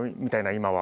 今は？